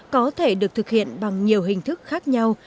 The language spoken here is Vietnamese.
có thể được thực hiện bằng nhiều hình thức khác nhau